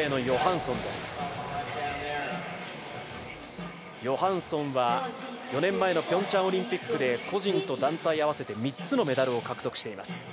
ヨハンソンは、４年前のピョンチャンオリンピックで個人と団体合わせて３つのメダルを獲得しています。